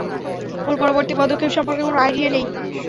ওর পরবর্তী পদক্ষেপ সম্পর্কে কোনো আইডিয়া নেই।